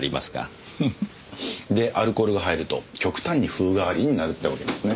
フフでアルコールが入ると極端に風変わりになるってわけですね。